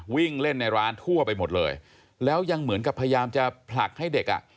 วิ่งเล่นในร้านทั่วไปหมดเลยแล้วยังเหมือนกับพยายามจะผลักให้เด็กอ่ะ